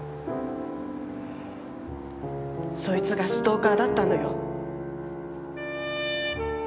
そいつがストーカーだったのよ。